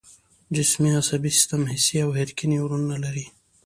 جسمي عصبي سیستم حسي او حرکي نیورونونه لري